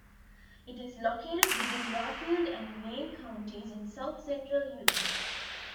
It is located within Garfield and Wayne counties in south-central Utah.